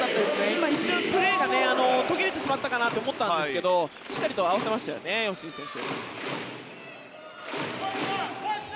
今、一瞬プレーが途切れてしまったかなと思ったんですがしっかりと合わせましたよね吉井選手。